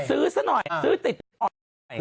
ซื้อติดออกไป